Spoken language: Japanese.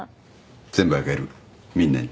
全部あげるみんなに。